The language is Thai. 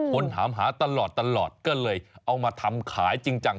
คนถามหาตลอดตลอดก็เลยเอามาทำขายจริงจัง